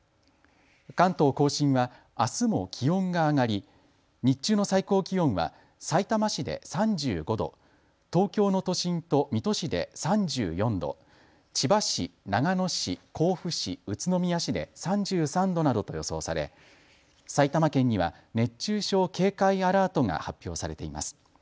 関東甲信はあすも気温が上がり日中の最高気温はさいたま市で３５度、東京の都心と水戸市で３４度、千葉市、長野市、甲府市、宇都宮市で３３度などと予想され埼玉県には熱中症警戒アラートが発表されています。